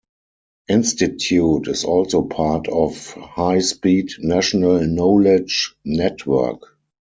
Institute is also part of high speed National Knowledge Network.